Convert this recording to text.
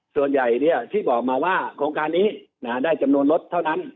ส่วนใหญ่ที่บอกมาว่าโครงการนี้ได้จำนวนรถเท่านั้น